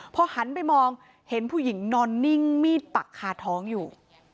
พอหันไปมองเห็นผู้หญิงนอนนิ่งมีดปักคาท้องอยู่